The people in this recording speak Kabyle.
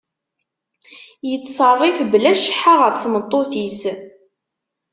Yettṣerrif bla cceḥḥa ɣef tmeṭṭut-is.